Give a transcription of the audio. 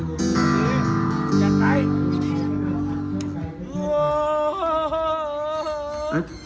ลูกบ้านที่แจ่ไกร